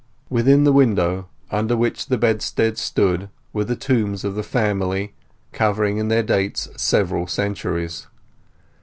Within the window under which the bedstead stood were the tombs of the family, covering in their dates several centuries.